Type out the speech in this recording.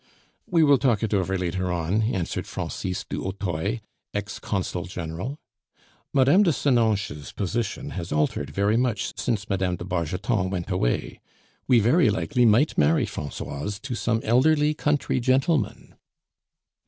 "We will talk it over later on," answered Francis du Hautoy, ex consul general. "Mme. de Senonches' positon has altered very much since Mme. de Bargeton went away; we very likely might marry Francoise to some elderly country gentleman."